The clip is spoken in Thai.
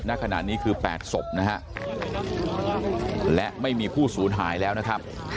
ณขณะนี้คือ๘ศพนะฮะและไม่มีผู้สูญหายแล้วนะครับ